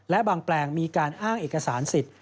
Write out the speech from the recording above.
และบางแปลงมีการอ้างเอกสารสิทธิ์